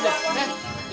eh pada yang deh